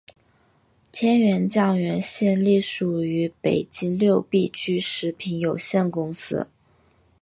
天源酱园现隶属于北京六必居食品有限公司。